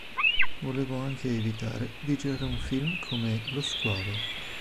Volevo anche evitare di girare un film come "Lo squalo".